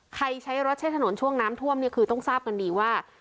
ใช้รถใช้ถนนช่วงน้ำท่วมเนี่ยคือต้องทราบกันดีว่า